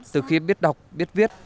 từ khi biết đọc biết viết